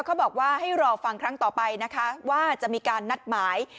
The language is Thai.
เขาบอกว่าให้รอฟังครั้งต่อไปนะคะว่าจะมีการนัดหมาย